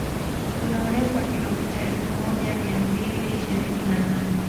Kuna urefu wa kilomita elfu moja mia mbili ishirini na nane